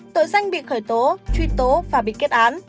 tội danh bị khởi tố truy tố và bị kết án